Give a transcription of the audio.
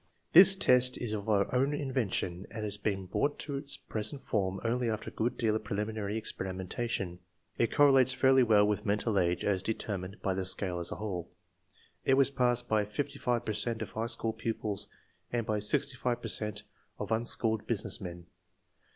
This test is of our own invention and has been brought to its present form only after a good deal of preliminary ex perimentation. It correlates fairly well with mental age as determined by the scale as a whole. It was passed by 55 per cent of high school pupils and by 65 per cent of un schooled business men.